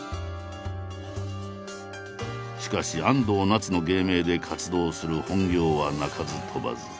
しかし「安藤なつ」の芸名で活動する本業は泣かず飛ばず。